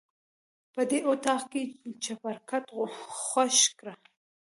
په دې اطاق کې چپرکټ خوښ کړه.